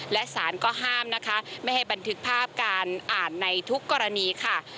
และสารก็ห้ามนะคะไม่ให้บันทึกภาพการอ่านในทุกกรณีค่ะ